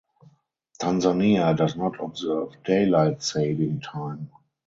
Tanzania does not observe daylight saving time.